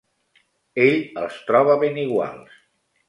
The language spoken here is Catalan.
Ell els troba ben iguals.